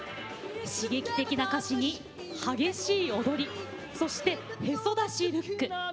刺激的な歌詞に、激しい踊りそして、へそ出しルック。